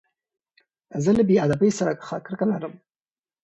زه له بې ادبۍ څخه کرکه لرم.